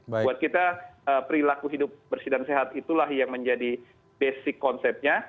buat kita perilaku hidup bersih dan sehat itulah yang menjadi basic konsepnya